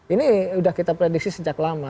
ini sudah kita prediksi sejak lama